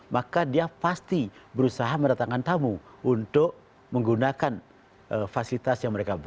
maka dia pasti berusaha mendatangkan tamu untuk menggunakan fasilitas yang mereka buat